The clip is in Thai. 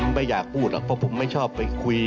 ผมไม่อยากพูดหรอกเพราะผมไม่ชอบไปคุย